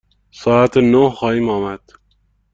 ساعت نه خواهیم آمد.